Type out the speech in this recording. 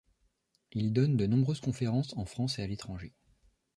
Il donne de nombreuses conférences en France et à l'étranger.